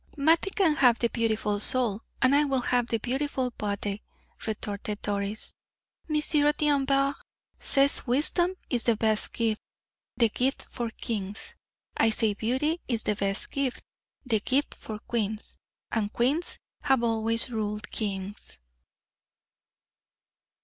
"Mattie can have the beautiful soul, and I will have the beautiful body," retorted Doris. "Monsieur D'Anvers says wisdom is the best gift, the gift for kings. I say beauty is the best gift, the gift for queens; and queens have always ruled kings."